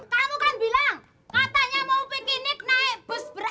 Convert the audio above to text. kamu kan bilang katanya mau bikinik naik bus beras eh